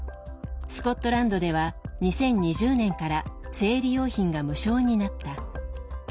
スコットランドでは２０２０年から生理用品が無償になった。